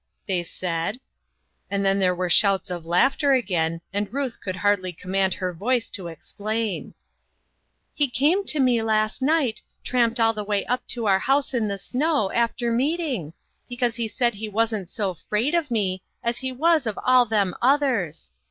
they said, and then there were shouts of laughter again, and Ruth could hardly command her voice to explain :" He came to me last night tramped all INNOVATIONS. IQ5 the way up to our house in the snow, after meeting because he said he wasn't so ' 'fraid ' of me as he was of ' all them others.'